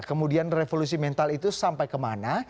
kemudian revolusi mental itu sampai kemana